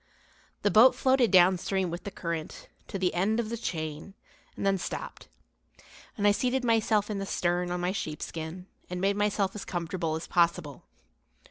The boat floated downstream with the current, to the end of the chain, and then stopped, and I seated myself in the stern on my sheepskin and made myself as comfortable as possible.